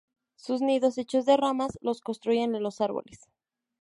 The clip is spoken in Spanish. Sus nidos hechos de ramas los construyen en los árboles.